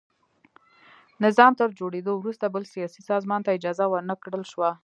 نظام تر جوړېدو وروسته بل سیاسي سازمان ته اجازه ور نه کړل شوه.